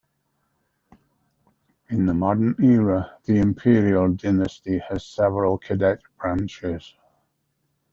In the modern era, the Imperial dynasty has several cadet branches.